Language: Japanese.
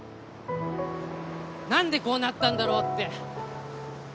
何でこうなったんだろうって。